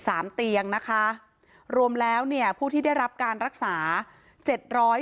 เตียงนะคะรวมแล้วเนี่ยผู้ที่ได้รับการรักษาเจ็ดร้อย